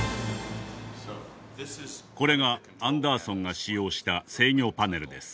これがアンダーソンが使用した制御パネルです。